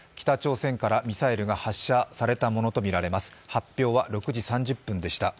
発表は６時３０分でした。